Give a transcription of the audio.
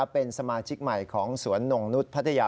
เป็นสมาชิกใหม่ของสวนหน่งนุษย์พัทยา